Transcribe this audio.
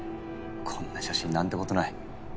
こんな写真なんてことない。